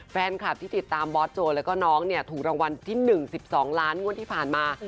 แฟนคลับที่ติดตามบอสโจแล้วก็น้องเนี่ยถูกรางวัลที่๑๑๒ล้านงวดที่ผ่านมา